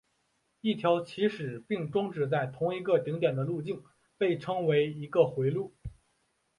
一条起始并终止在同一个顶点的路径被称为一个回路。